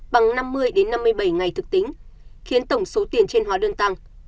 bằng năm mươi năm mươi bảy ngày thực tính khiến tổng số tiền trên hóa đơn tăng